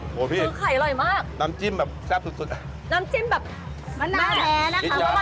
โอ้โฮพี่น้ำจิ้มแบบแซ่บสุดนะครับใส้พิมพ์